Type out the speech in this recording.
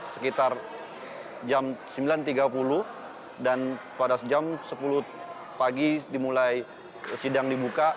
sekitar jam sembilan tiga puluh dan pada jam sepuluh pagi dimulai sidang dibuka